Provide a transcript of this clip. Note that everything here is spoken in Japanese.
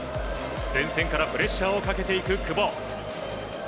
前線からプレッシャーをかけていく久保。